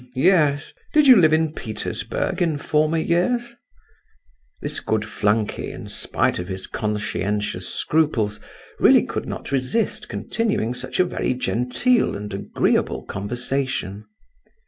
"H'm! yes; did you live in Petersburg in former years?" This good flunkey, in spite of his conscientious scruples, really could not resist continuing such a very genteel and agreeable conversation.